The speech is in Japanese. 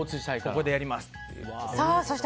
ここでやりますって。